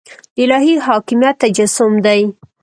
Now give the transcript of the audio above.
د الهي حاکمیت تجسم دی.